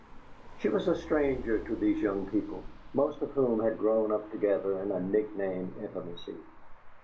She was a stranger to these young people, most of whom had grown up together in a nickname intimacy.